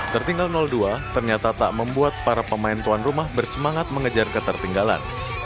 tertinggal dua ternyata tak membuat para pemain tuan rumah bersemangat mengejar ketertinggalan